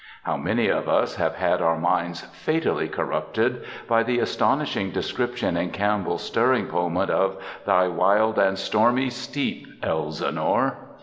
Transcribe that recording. How many of us have had our minds fatally corrupted by the astonishing description in Campbell^s stirring poem of ^^ Thy wild and stormy steep, Elsinore